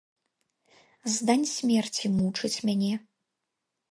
Здань смерці мучыць мяне.